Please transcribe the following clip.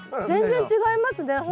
全然違いますね。